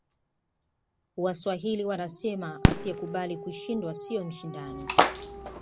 waswahili wanasema asiyekubali kushindwa siyo mshindani